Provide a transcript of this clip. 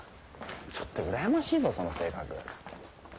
ちょっとうらやましいぞその性格。